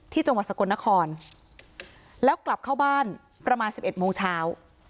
จังหวัดสกลนครแล้วกลับเข้าบ้านประมาณ๑๑โมงเช้า